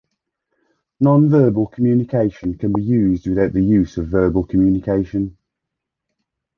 Nonverbal communication can be used without the use of verbal communication.